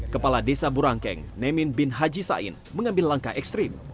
kepala desa burangkeng nemin bin haji sain mengambil langkah ekstrim